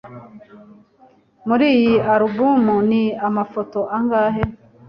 Muri iyi alubumu ni amafoto angahe?